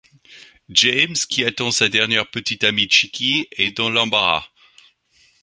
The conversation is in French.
James, qui attend sa dernière petite amie Chicky, est dans l'embarras.